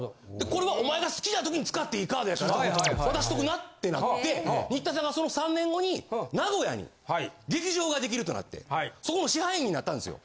「これはお前が好きなときに使っていいカードやから渡しとくな」ってなって新田さんがその３年後に名古屋に劇場ができるとなってそこの支配人になったんですよ。